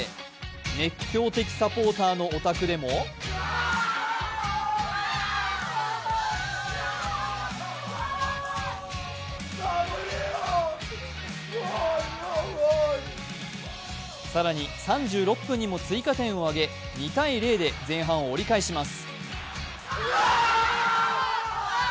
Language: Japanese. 熱狂的サポーターのお宅でも更に３６分にも追加点を挙げ、２−０で前半を折り返します。